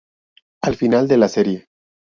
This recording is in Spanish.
Al final de la serie.